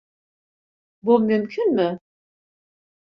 Bu mümkün mü?